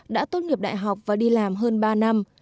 đã tốt nghiệp đại học và đi làm hơn ba năm